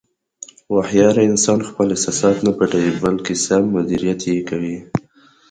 هوښیار انسان خپل احساسات نه پټوي، بلکې سم مدیریت یې کوي.